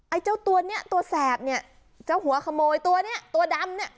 ไอ้เจ้าตัวเนี้ยตัวแสบเนี่ยเจ้าหัวขโมยตัวเนี้ยตัวดำเนี่ย